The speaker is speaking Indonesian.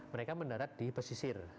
mereka mendarat di pesisir